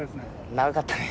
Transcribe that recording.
長かったね。